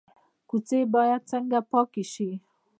کوڅې باید څنګه پاکې شي؟